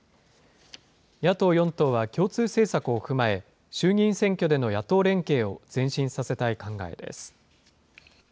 野党４党は共通政策を踏まえ、衆議院選挙での野党連携を前進させたい考えです。